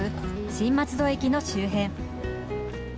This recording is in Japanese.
新松戸駅の周辺。